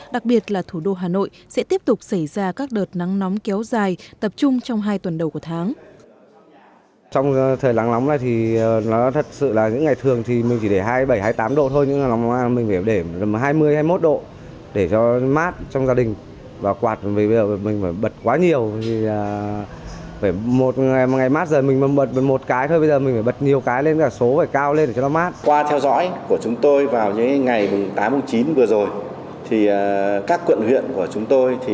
đặc biệt là thủ đô hà nội sẽ tiếp tục xảy ra các đợt nắng nóng kéo dài tập trung trong hai tuần đầu của tháng